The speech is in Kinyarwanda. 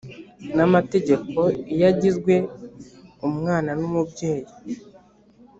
n amategeko iyo agizwe umwana n umubyeyi